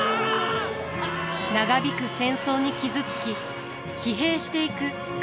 長引く戦争に傷つき疲弊していく家臣たち。